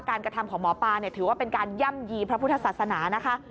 กระทำของหมอปลาถือว่าเป็นการย่ำยีพระพุทธศาสนานะคะ